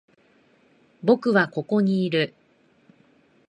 僕はここにいる。